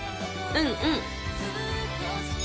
うんうん